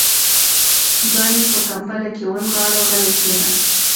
ځان يې په کمپله کې ونغاړه، غلی کېناست.